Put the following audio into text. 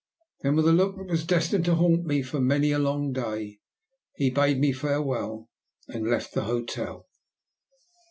Then, with a look that was destined to haunt me for many a long day, he bade me farewell, and left the hotel.